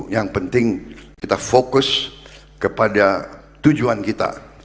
yang penting kita fokus kepada tujuan kita